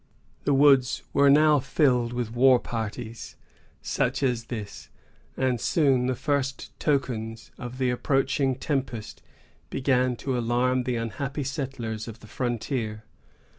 The woods were now filled with war parties such as this, and soon the first tokens of the approaching tempest began to alarm the unhappy settlers of the frontier.